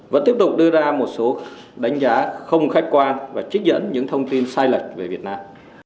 vẫn tiếp tục đưa ra một số đánh giá không khách quan và trích dẫn những thông tin sai lệch về việt nam